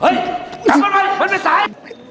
เฮ้ยจับมันไว้มันไปใส